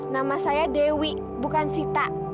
nama saya dewi bukan sita